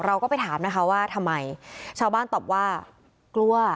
เราก็ไปถามนะคะว่าทำไมชาวบ้านตอบว่ากลัว